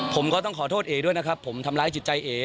ผมก็ต้องขอโทษเอด้วยนะครับผมทำร้ายจิตใจเอ๋